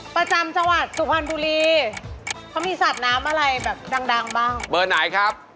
ประมาทประมาทแป้งสามละคะ